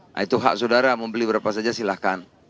nah itu hak saudara membeli berapa saja silahkan